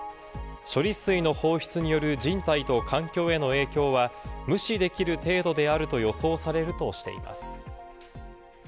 処理水の放出による人体と環境への影響は、無視できる程度であると予想されるとしています。